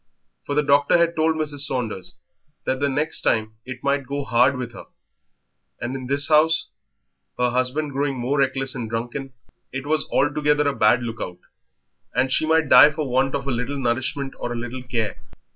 For the doctor had told Mrs. Saunders that the next time it might go hard with her; and in this house, her husband growing more reckless and drunken, it was altogether a bad look out, and she might die for want of a little nourishment or a little care.